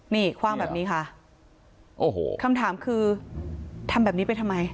นี่คว่างแบบนี้ค่ะโอ้โหคำถามคือทำแบบนี้ไปทำไม